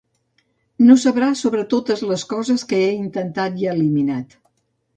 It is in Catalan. No sabràs sobre totes les coses que he intentat i eliminat.